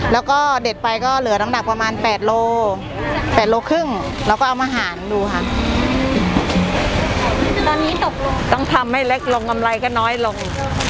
แล้วก็เด็ดไปก็เหลือน้ำหนักประมาณ๘โล๘โลครึ่งแล้วก็เอามาห่านดูค่ะตอนนี้ตกลงต้องทำให้เล็กลงกำไรก็น้อยลง